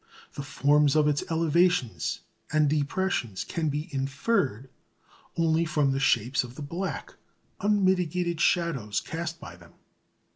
The forms of its elevations and depressions can be inferred only from the shapes of the black, unmitigated shadows cast by them.